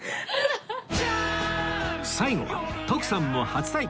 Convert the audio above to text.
最後は徳さんも初体験！